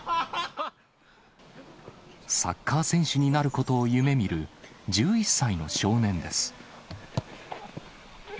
サッカー選手になることを夢みる１１歳の少年です。